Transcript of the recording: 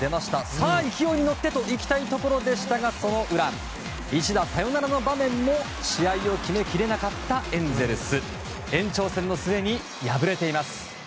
さあ、勢いに乗ってというところでしたがその裏一打サヨナラの場面も試合を決めきれなかったエンゼルス。